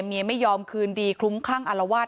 ไม่ยอมคืนดีคลุ้มคลั่งอารวาส